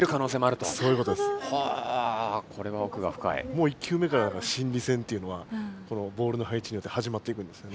もう１球目から心理戦っていうのはこのボールのはいちによって始まっていくんですよね。